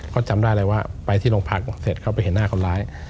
ก็จำได้เลยว่าไปที่โรงพักเสร็จเขาไปเห็นหน้าคนร้าย